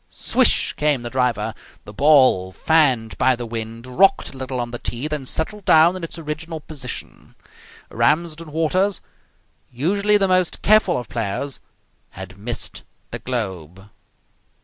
Swish came the driver. The ball, fanned by the wind, rocked a little on the tee, then settled down in its original position. Ramsden Waters, usually the most careful of players, had missed the globe.